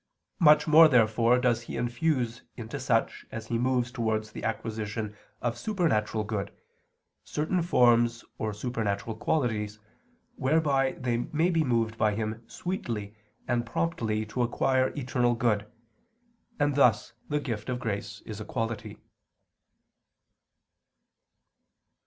Much more therefore does He infuse into such as He moves towards the acquisition of supernatural good, certain forms or supernatural qualities, whereby they may be moved by Him sweetly and promptly to acquire eternal good; and thus the gift of grace is a quality.